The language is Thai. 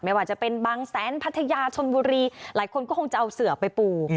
ไม่ว่าจะเป็นบางแสนพัทยาชนบุรีหลายคนก็คงจะเอาเสือไปปู